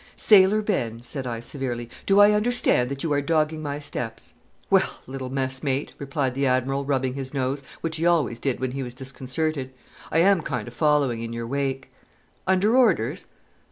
"Sailor Ben," said I, severely, "do I understand that you are dogging my steps?" "'Well, little mess mate," replied the Admiral, rubbing his nose, which he always did when he was disconcerted, "I am kind o' followin' in your wake." "Under orders?"